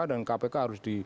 dan kpk harus di